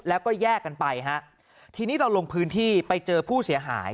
แล้วก็แยกกันไปฮะทีนี้เราลงพื้นที่ไปเจอผู้เสียหาย